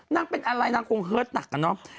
นางเป็นอะไรนางคงเฮิร์ตหนักอะเนาะ